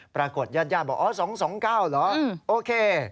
ปรากฏญาติบอกอ๋อ๒๒๙เหรอโอเค